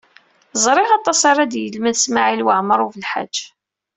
Ẓriɣ aṭas ara d-yelmed Smawil Waɛmaṛ U Belḥaǧ.